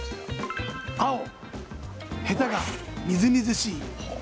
青・ヘタがみずみずしい。